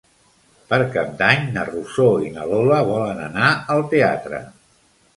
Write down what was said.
Per Cap d'Any na Rosó i na Lola volen anar al teatre.